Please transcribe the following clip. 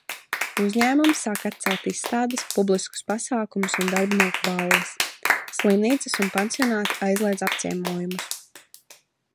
Uzņēmumi sāk atcelt izstādes, publiskus pasākumus un darbinieku balles. Slimnīcas un pansionāti aizliedz apciemojumus.